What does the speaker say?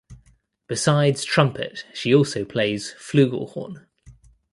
Besides trumpet she also plays flugelhorn.